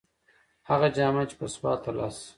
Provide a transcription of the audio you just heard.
هغه جامه چې په سوال تر لاسه شي.